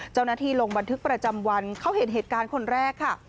เจ้าหน้าที่ลงบันทึกประจำวันเขาเห็นเหตุการณ์คนแรกค่ะ